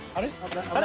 あれ？